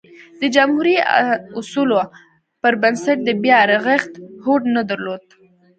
د جمهوري اصولو پربنسټ د بیا رغښت هوډ نه درلود.